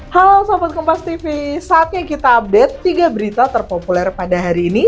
halo selamat kompas tv saatnya kita update tiga berita terpopuler pada hari ini